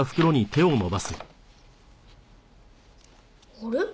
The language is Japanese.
あれ？